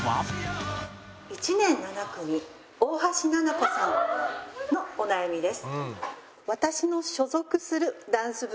１年７組大橋ななこさんのお悩みです。